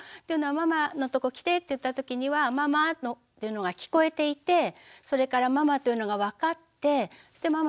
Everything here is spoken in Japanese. というのは「ママのとこ来て」って言った時には「ママ」っていうのが聞こえていてそれから「ママ」というのが分かってそして